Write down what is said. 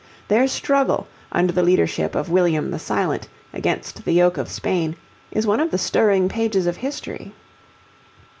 Their struggle, under the leadership of William the Silent, against the yoke of Spain, is one of the stirring pages of history.